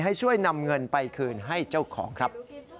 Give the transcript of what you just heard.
ให้ช่วยนำเงินไปคืนให้เจ้าของครับ